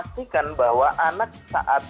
jadi pastikan bahwa anak saat sekolah di hari pertama